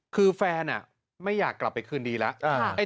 คือแฟนไม่อยากกลับไปคืนดีแล้ว